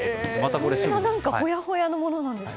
そんなほやほやのものなんですね。